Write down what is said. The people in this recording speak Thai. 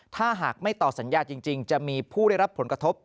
ถ้าหากไม่ต่อสัญญาจริงจะมีผู้ได้รับผลกระทบ